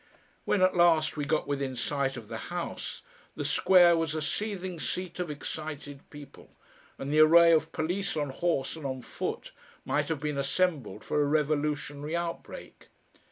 When at last we got within sight of the House the square was a seething seat of excited people, and the array of police on horse and on foot might have been assembled for a revolutionary outbreak.